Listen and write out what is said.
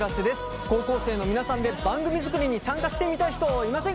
高校生の皆さんで番組作りに参加してみたい人いませんか？